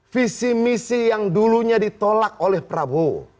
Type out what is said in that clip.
visi misi yang dulunya ditolak oleh prabowo